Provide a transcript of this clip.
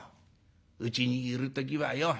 うちにいる時はよ